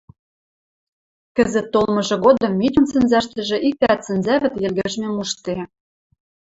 Кӹзӹт толмыжы годым Митюн сӹнзӓштӹжӹ иктӓт сӹнзӓвӹд йӹлгӹжмӹм ужде.